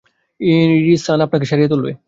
ইয়েরি-সান আপনাকে সারিয়ে তুলবে।